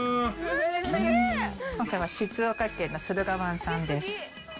今回は静岡県の駿河湾産です。